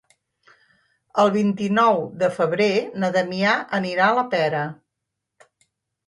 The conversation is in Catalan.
El vint-i-nou de febrer na Damià anirà a la Pera.